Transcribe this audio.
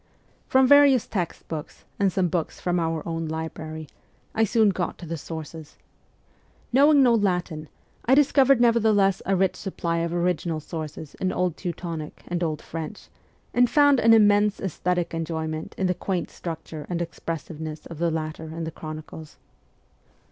From various text books and some books from our own library, I soon got to the sources. Knowing no Latin, I discovered nevertheless a rich supply of original sources in Old Teutonic and Old French, and found an immense aesthetic enjoyment in the quaint structure and expressiveness of the latter in the Chronicles.